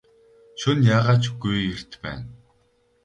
Шөнө яагаа ч үгүй эрт байна.